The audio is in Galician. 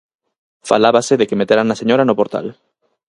Falábase de que meteran a señora no portal.